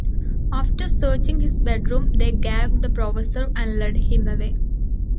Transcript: After searching his bedroom, they gagged the professor and led him away.